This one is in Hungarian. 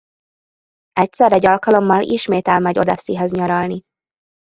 Egyszer egy alkalommal ismét elmegy Odesszihez nyaralni.